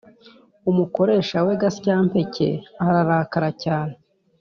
umukoresha we gasyampeke ararakara cyane,